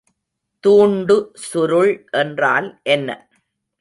தூண்டுசுருள் என்றால் என்ன?